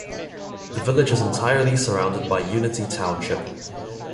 The village is entirely surrounded by Unity Township.